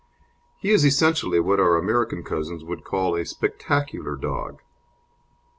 He is essentially what our American cousins would call a "spectacular" dog.